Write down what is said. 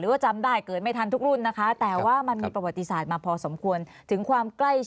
หรือว่าจำได้เกิดขึ้นต้องไม่ทันทุกรุ่นนะคะ